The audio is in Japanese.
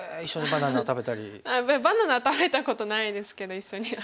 あっバナナは食べたことないですけど一緒には。